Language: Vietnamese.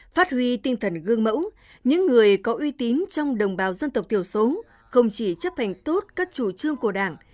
phát huy tinh thần gương mẫu những người có uy tín trong đồng bào dân tộc thiểu số không chỉ chấp hành tốt các chủ trương của đảng